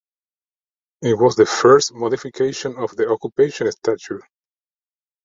It was the first modification of the Occupation statute.